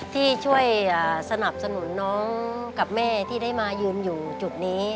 ที่ช่วยสนับสนุนน้องกับแม่ที่ได้มายืนอยู่จุดนี้